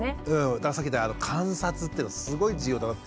だからさっき言った観察っていうのはすごい重要だなって。